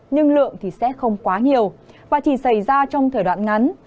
nhưng lượng thì sẽ không quá nhiều và chỉ xảy ra trong thời đoạn ngắn